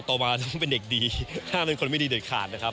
ต่อมาต้องเป็นเด็กดีถ้าเป็นคนไม่ดีเด็ดขาดนะครับ